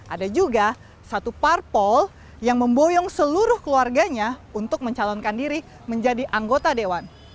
ada juga satu parpol yang memboyong seluruh keluarganya untuk mencalonkan diri menjadi anggota dewan